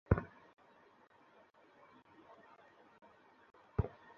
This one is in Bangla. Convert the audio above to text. আগুন লাগার খবরে আশপাশের বহুতল ভবনগুলো থেকেও লোকজন নিচে নেমে আসে।